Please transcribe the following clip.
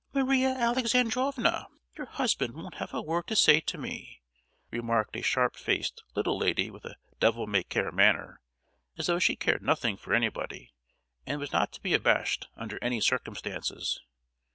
"Maria Alexandrovna! your husband won't have a word to say to me!" remarked a sharp faced little lady with a devil may care manner, as though she cared nothing for anybody, and was not to be abashed under any circumstances.